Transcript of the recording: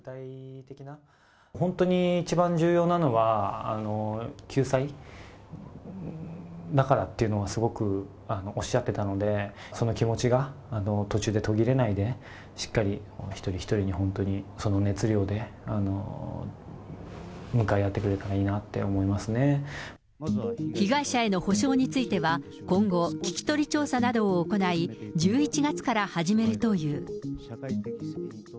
本当に一番重要なのは、救済だからっていうのはすごくおっしゃってたので、その気持ちが途中で途切れないで、しっかり一人一人に本当にその熱量で向かい合ってくれたらいいな被害者の補償については今後聞き取り調査などを行い、１１月から始めるという。